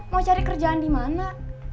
mau cari kerjaan di mana